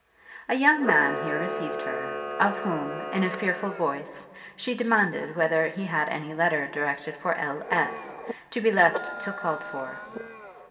A young man here received her, of whom, in a fearful voice, she demanded whether he had any letter directed for L.S., to be left till called for.